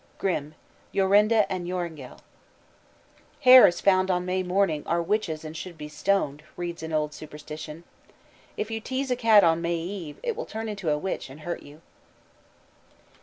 GRIMM: Jorinda and Joringel. "Hares found on May morning are witches and should be stoned," reads an old superstition. "If you tease a cat on May Eve, it will turn into a witch and hurt you."